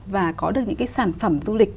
và có được những cái sản phẩm du lịch